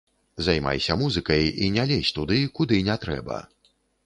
Займайся музыкай і не лезь туды, куды не трэба.